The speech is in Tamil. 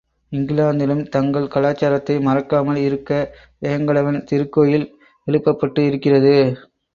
இங்கிலாந்திலும் தங்கள் கலாச்சாரத்தை மறக்காமல் இருக்க வேங்கடவன் திருக்கோயில் எழுப்பப்பட்டு இருக்கிறது.